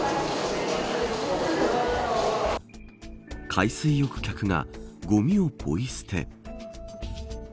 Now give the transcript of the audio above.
海水浴客がごみをポイ捨て。